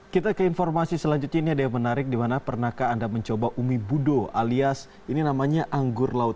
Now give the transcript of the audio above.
kita ke informasi selanjutnya ini ada yang menarik dimana pernahkah anda mencoba umi budo alias ini namanya anggur laut